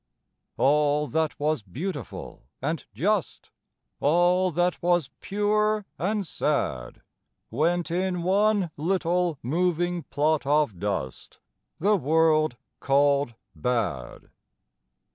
_) All that was beautiful and just, All that was pure and sad Went in one little, moving plot of dust The world called bad.